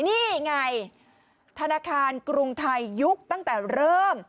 นี่ไงธนาคารกรุงไทยยุคตั้งแต่เริ่ม